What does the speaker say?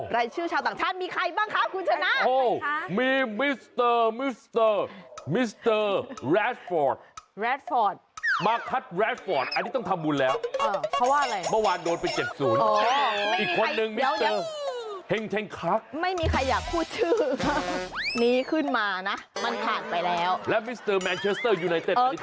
รายชื่อชาวต่างชาติมีใครบ้างคะคุณชนะ